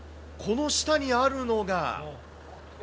この下にあるのが。